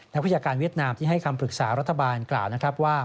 นักวิชาการเวียดนามที่ให้คำปรึกษารัฐบาลกล่าวนะครับว่า